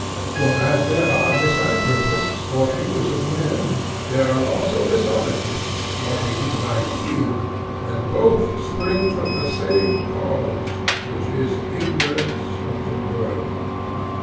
For as there are misanthropists or haters of men, there are also misologists or haters of ideas, and both spring from the same cause, which is ignorance of the world.